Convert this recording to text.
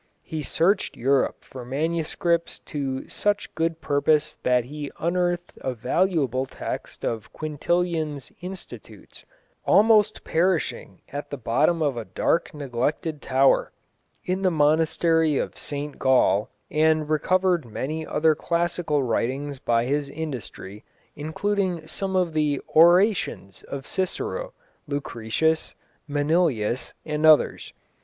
He searched Europe for manuscripts to such good purpose that he unearthed a valuable text of Quintilian's Institutes, "almost perishing at the bottom of a dark neglected tower," in the monastery of St Gall, and recovered many other classical writings by his industry, including some of the Orations of Cicero; Lucretius; Manilius, and others.